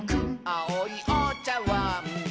「あおいおちゃわん」